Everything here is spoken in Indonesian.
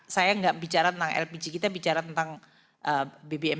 saya nggak bicara tentang lpg kita bicara tentang bbm